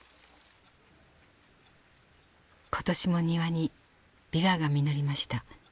今年も庭にビワが実りました。